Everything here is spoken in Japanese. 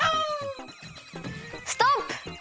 ストップ！